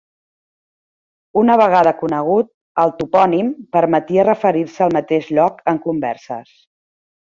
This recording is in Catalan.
Una vegada conegut, el topònim permetia referir-se al mateix lloc en converses.